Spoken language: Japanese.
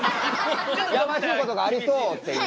やましいことがありそうっていうね。